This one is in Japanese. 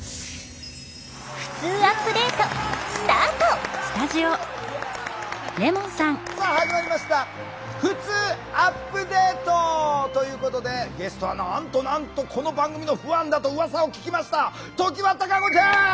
「ふつうアップデート」スタートさあ始まりました「ふつうアップデート」！ということでゲストはなんとなんとこの番組のファンだと噂を聞きました常盤貴子ちゃん！